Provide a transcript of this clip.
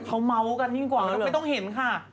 เขาเมาส์กันยิ่งกว่าเราไม่ต้องเห็นค่ะ